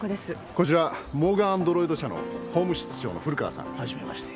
こちらモーガン・アンド・ロイド社の法務室長の古川さん。はじめまして。